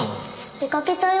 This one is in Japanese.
出かけたよ。